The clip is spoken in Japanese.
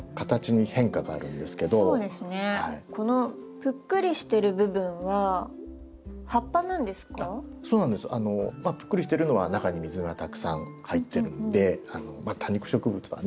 ぷっくりしてるのは中に水がたくさん入ってるので多肉植物はね